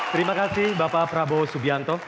terima kasih bapak prabowo subianto